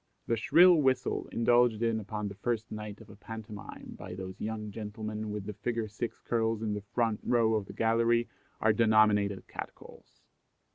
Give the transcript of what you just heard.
The shrill whistle indulged in upon the first night of a pantomime by those young gentlemen with the figure six curls in the front row of the gallery are denominated cat calls.